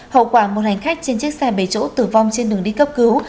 hậu quả một hành khách trên chiếc xe bảy chỗ tử vong trên đường đi cấp cứu